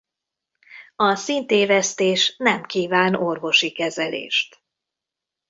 A színtévesztés nem kíván orvosi kezelést.